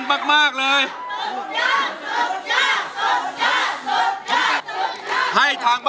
ล้อมได้ให้ร้าน